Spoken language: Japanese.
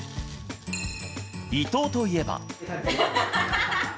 伊藤といえば。